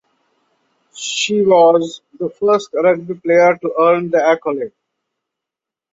She was the first rugby player to earn the accolade.